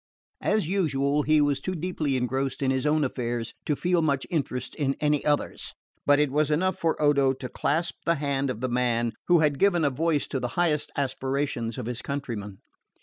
As usual he was too deeply engrossed in his own affairs to feel much interest in any others; but it was enough for Odo to clasp the hand of the man who had given a voice to the highest aspirations of his countrymen.